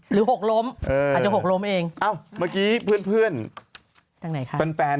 หรือหกล้มอาจจะหกล้มเอง